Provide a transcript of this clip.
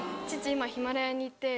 今ヒマラヤにいて。